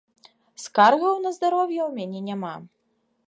Скаргаў на здароўе у мяне няма.